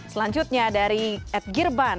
selanjutnya dari ed girban